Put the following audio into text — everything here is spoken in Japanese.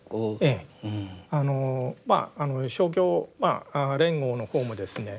あのまあ勝共連合の方もですね